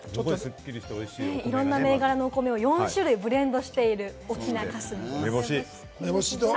いろんな銘柄のお米を４種類ブレンドしている翁霞です。